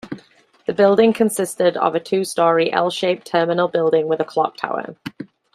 The building consisted of a two-storey L shaped terminal building with a clock tower.